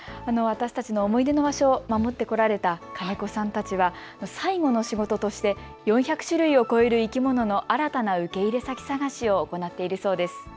私たちの思い出の場所を守ってこられた金子さんたちが最後の仕事として４００種類を超える生き物の新たな受け入れ先探しを行っているそうです。